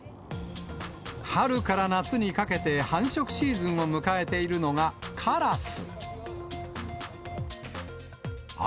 春から夏にかけて繁殖シーズンを迎えているのがカラス。